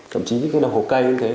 thậm chí cái đồng hồ cây như thế